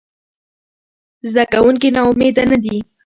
زده کوونکي ناامیده نه دي.